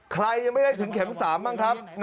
ใครยังไม่ได้ถึงเข็ม๓บ้างครับ